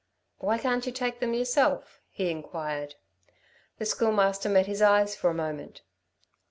"Why can't you take them yourself?" he inquired. The Schoolmaster met his eyes for a moment.